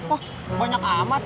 oh banyak amat